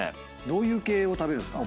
どういう系を食べるんですか？